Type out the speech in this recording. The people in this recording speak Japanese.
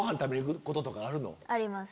あります。